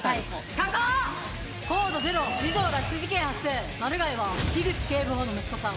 コードゼロ児童拉致事件発生マルガイは樋口警部補の息子さん。